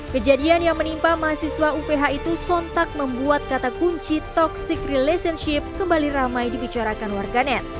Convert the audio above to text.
kejadian yang menimpa mahasiswa uph itu sontak membuat kata kunci toxic relationship kembali ramai dibicarakan warganet